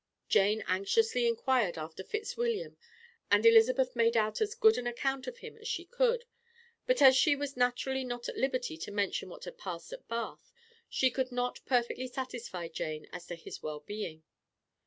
Jane anxiously inquired after Fitzwilliam, and Elizabeth made out as good an account of him as she could, but as she was naturally not at liberty to mention what had passed at Bath, she could not perfectly satisfy Jane as to his well being.